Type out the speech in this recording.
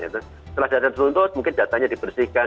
setelah data teruntut mungkin datanya dipersihkan